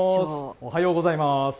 おはようございます。